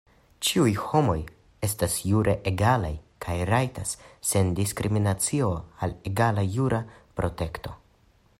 Ĉiuj homoj estas jure egalaj, kaj rajtas sen diskriminacio al egala jura protekto.